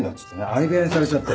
相部屋にされちゃって。